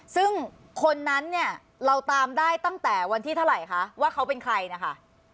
ซึ่งคนนั้นเนี่ยเราตามได้ตั้งแต่วันที่เท่าไหร่คะว่าเขาเป็นใครนะคะ